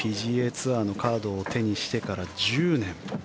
ツアーのカードを手にしてから１０年。